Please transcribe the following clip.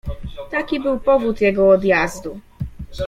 "Taki był powód jego odjazdu“."